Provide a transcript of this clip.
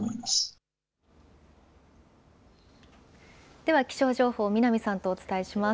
では気象情報、南さんとお伝えします。